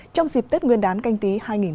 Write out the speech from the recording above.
trong dịp tết nguyên đán canh tí hai nghìn hai mươi